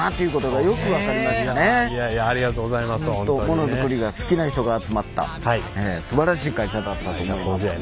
モノづくりが好きな人が集まったすばらしい会社だったと思います。